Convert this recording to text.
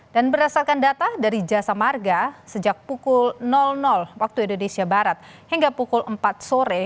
dan berdasarkan data dari jasa marga sejak pukul waktu indonesia barat hingga pukul empat sore